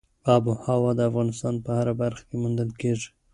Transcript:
آب وهوا د افغانستان په هره برخه کې موندل کېږي.